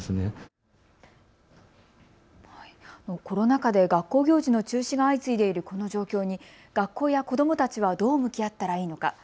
コロナ禍で学校行事の中止が相次いでいるこの状況に学校や子どもたちはどう向き合ったらいいのか。